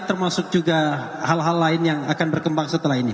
termasuk juga hal hal lain yang akan berkembang setelah ini